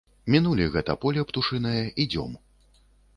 Мінулі гэта поле птушынае, ідзём.